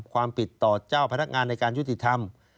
ความผิดต่อเจ้าพนักงานในการยุติธรรม